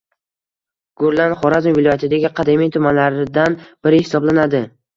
Gurlan – Xorazm viloyatidagi qadimiy tumanlaridan biri hisoblanadi.